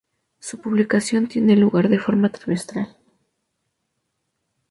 Su publicación tiene lugar de forma trimestral.